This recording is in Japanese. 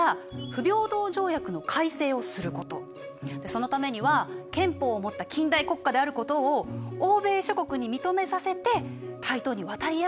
そのためには憲法を持った近代国家であることを欧米諸国に認めさせて対等に渡り合う必要があったの。